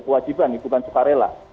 kewajiban bukan sukarela